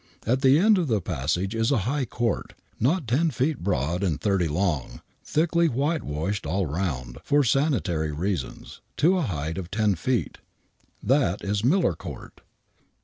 At the end of the passage is a high court, not ten feet broad and thirty long, thickly whitewashed all round,, for sanitary rea sons, to a height of ten feet. That is Miller Court.